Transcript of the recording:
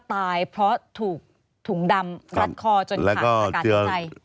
ตายเพราะถูกถุงดำรัดคอจนขาดอากาศหายใจ